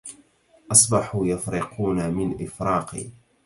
أصبحوا يفرقون من إفراقي